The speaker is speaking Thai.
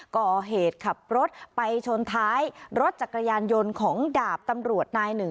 ก่อเหตุขับรถไปชนท้ายรถจักรยานยนต์ของดาบตำรวจนายหนึ่ง